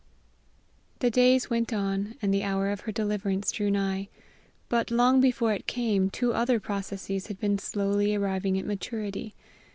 The days went on, and the hour of her deliverance drew nigh. But, long before it came, two other processes had been slowly arriving at maturity.